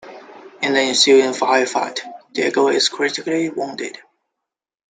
In the ensuing firefight, Diego is critically wounded.